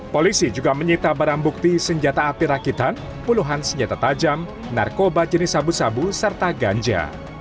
polisi juga menyita barang bukti senjata api rakitan puluhan senjata tajam narkoba jenis sabu sabu serta ganja